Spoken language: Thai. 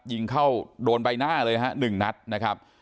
ยิงเข้าโดนใบหน้าเลยฮะ๑นัดนะครับ